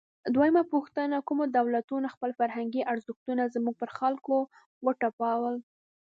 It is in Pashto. دویمه پوښتنه: کومو دولتونو خپل فرهنګي ارزښتونه زموږ پر خلکو وتپل؟